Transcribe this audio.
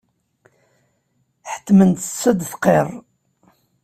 Ḥettment-tt ad d-tqirr.